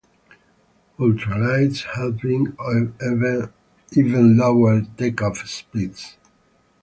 Ultralights have even lower takeoff speeds.